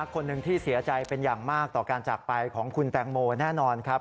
คนหนึ่งที่เสียใจเป็นอย่างมากต่อการจากไปของคุณแตงโมแน่นอนครับ